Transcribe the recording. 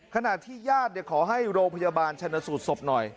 ขณะที่ญาติขอให้โรงพยาบาลชนสูตรศพหน่อย